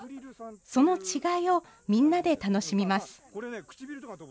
その違いをみんなで楽しみます。